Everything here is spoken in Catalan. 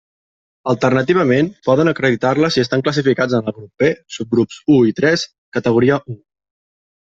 Alternativament, poden acreditar-la si estan classificats en el grup P, subgrups u i tres, categoria u.